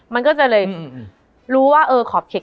มันทำให้ชีวิตผู้มันไปไม่รอด